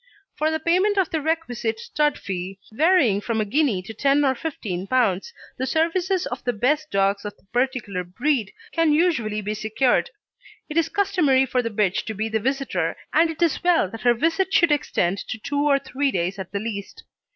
For the payment of the requisite stud fee, varying from a guinea to ten or fifteen pounds, the services of the best dogs of the particular breed can usually be secured. It is customary for the bitch to be the visitor, and it is well that her visit should extend to two or three days at the least.